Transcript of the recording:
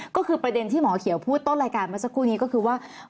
ก็คือประเด็นที่หมอเขียวพูดต้นรายการเมื่อสักครู่นี้ก็คือว่า